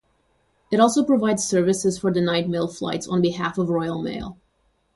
It also provides services for the night mail flights on behalf of Royal Mail.